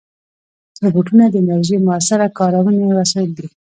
روبوټونه د انرژۍ مؤثره کارونې وسایل دي.